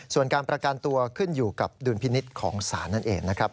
ส่วนการประกันตัวขึ้นอยู่กับดุลพินิษฐ์ของศาลนั่นเองนะครับ